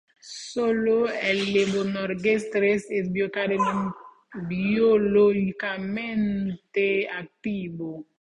Sólo el levonorgestrel es biológicamente activo.